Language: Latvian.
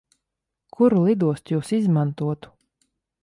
Kuru lidostu Jūs izmantotu?